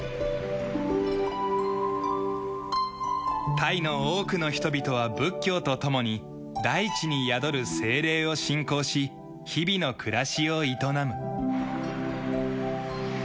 タイの多くの人々は仏教と共に大地に宿る精霊を信仰し日々の暮らしを営む。